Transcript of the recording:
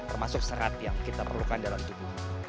termasuk serat yang kita perlukan dalam tubuh